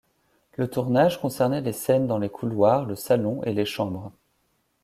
Le tournage concernait les scènes dans les couloirs, le salon et les chambres.